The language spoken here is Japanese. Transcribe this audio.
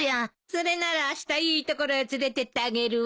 それならあしたいい所へ連れてってあげるわ。